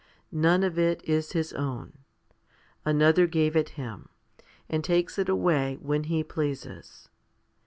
None of it is his own. Another gave it him, and takes it away when He pleases.